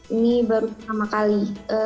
ini baru pertama kali